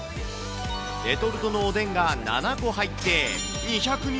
レトルトのおでんが７個入って２２１円。